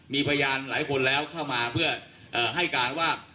มีพยานหลายคนแล้วเข้ามาเพื่อให้การว่า